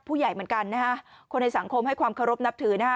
เหมือนกันนะฮะคนในสังคมให้ความเคารพนับถือนะฮะ